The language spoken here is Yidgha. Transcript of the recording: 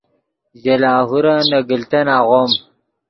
ژے لاہورن نے گلتن آغوم